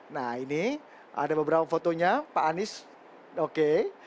nah ini ada beberapa fotonya pak anies oke